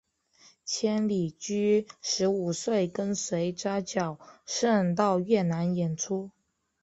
千里驹十五岁跟随扎脚胜到越南演出。